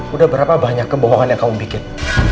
udah berapa banyak kebohongan yang kamu bikin